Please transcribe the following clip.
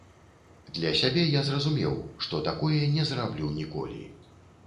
Для сябе я разумеў, што такое не зраблю ніколі.